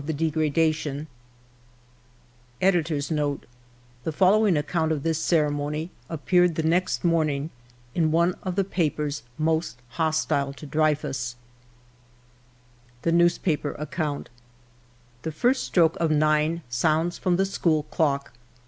THE DEGRADATION The following account of this ceremony appeared the next morning in one of the papers most hostile to Dreyfus :— S 66 FIVE YEARS OF MY LIFE " The first stroke of nine sounds from the school clock.